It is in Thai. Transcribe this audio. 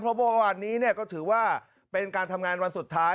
เพราะเมื่อวานนี้ก็ถือว่าเป็นการทำงานวันสุดท้าย